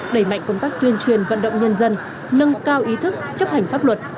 đẩy mạnh công tác tuyên truyền vận động nhân dân nâng cao ý thức chấp hành pháp luật